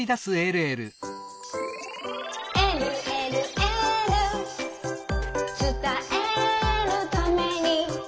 「えるえるエール」「つたえるために」